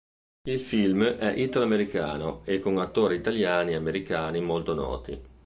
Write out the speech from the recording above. Il film è italo-americano e con attori italiani e americani molto noti.